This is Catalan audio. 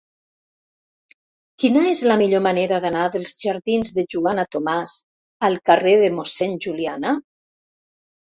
Quina és la millor manera d'anar dels jardins de Joana Tomàs al carrer de Mossèn Juliana?